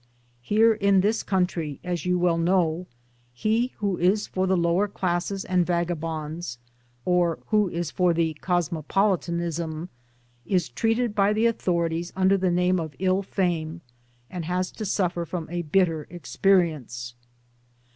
Here in this country, as you well know, he who is for the lower classes and vagabonds, or who is for [the]i cosmo politanism, is treated by the authorities under the name of ill fame and has to suffer from a bitter experience."